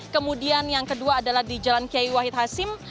kemudian yang kedua adalah di jalan kiai wahid hasim